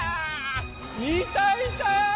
いたいた！